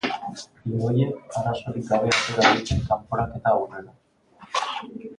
Lehoiek arazorik gabe atera dute kanporaketa aurrera.